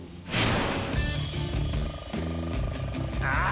あ！